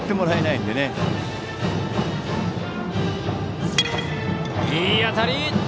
いい当たり！